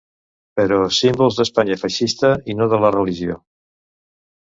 Però símbols de l’Espanya feixista, i no de la religió.